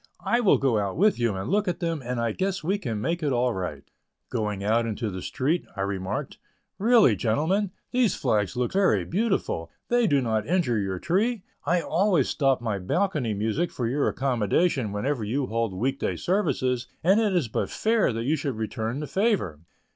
I will go out with you and look at them, and I guess we can make it all right." Going into the street I remarked: "Really, gentlemen, these flags look very beautiful; they do not injure your tree; I always stop my balcony music for your accommodation whenever you hold week day services, and it is but fair that you should return the favor."